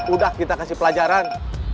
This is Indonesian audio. udah kita kasih pelajaran